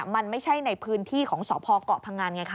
มันไม่ใช่ในพื้นที่ของสพเกาะพงันไงคะ